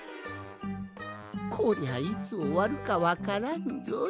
こりゃいつおわるかわからんぞい。